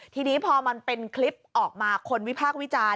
ทีนี้พอมันเป็นคลิปออกมาคนวิพากษ์วิจารณ์